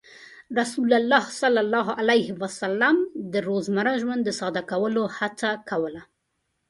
رسول الله صلى الله عليه وسلم د روزمره ژوند د ساده کولو هڅه کوله.